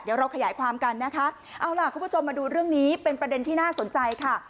เดี๋ยวเราขยายความกันนะคะเอาล่ะคุณผู้ชมมาดูเรื่องนี้เป็นประเด็นที่น่าสนใจค่ะ